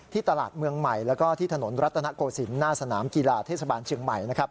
ที่ตลาดเมืองใหม่และที่ถนนรัตนโกศินหน้าสนามกีฬาธิสบาลเชียงใหม่